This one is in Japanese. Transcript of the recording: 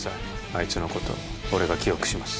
あいつのこと俺が記憶します